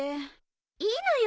いいのよ。